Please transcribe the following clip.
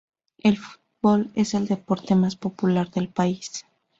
El fútbol es el deporte más popular del país.